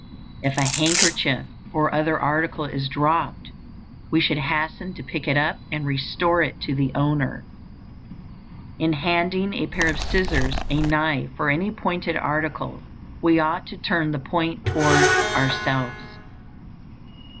If a handkerchief or other article is dropped, we should hasten to pick it up and restore it to the owner. In handing a pair of scissors, a knife, or any pointed article, we ought to turn the point toward ourselves.